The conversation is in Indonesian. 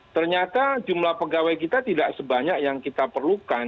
ternyata jumlah pegawai kita tidak sebanyak yang kita perlukan